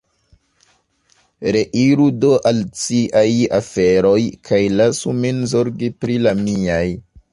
Reiru do al ciaj aferoj, kaj lasu min zorgi pri la miaj.